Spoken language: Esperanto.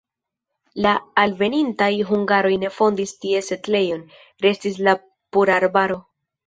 La alvenintaj hungaroj ne fondis tie setlejon, restis la pura arbaro.